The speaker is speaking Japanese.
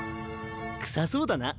臭そうだな。